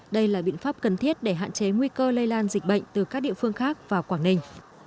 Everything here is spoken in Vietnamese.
đây là biện pháp cần thiết để hạn chế nguy cơ lây lan dịch bệnh từ các địa phương khác vào quảng ninh